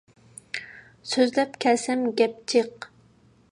سۆزلەپ كەلسەم گەپ جىق!